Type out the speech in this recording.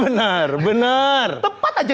benar benar tepat aja